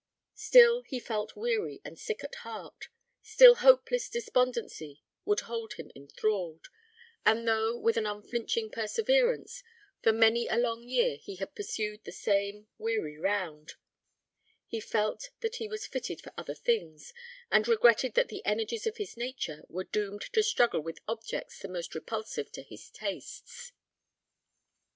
Still he felt weary and sick at heart; still hopeless despondency would hold him enthralled; and though, with, an unflinching perseverance, for many a long year he had pursued the same weary round, he felt that he was fitted for other things, and regretted that the energies of his nature were doomed to struggle with objects the most repulsive to his tastes.